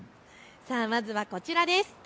まずはこちらです。